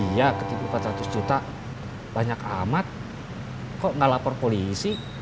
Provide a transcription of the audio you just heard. iya empat ratus juta banyak amat kok nggak lapor polisi